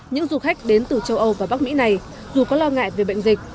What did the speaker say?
những du khách đến từ châu âu và bắc mỹ này dù có lo ngại về bệnh dịch